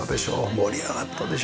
盛り上がったでしょう。